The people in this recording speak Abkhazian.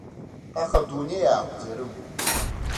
Аха адунеи ааҳәӡарым.